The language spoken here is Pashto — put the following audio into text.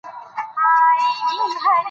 اعتبار لکه ژوند يوځل کېږي